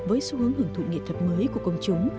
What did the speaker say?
với xu hướng hưởng thụ nghệ thuật mới của công chúng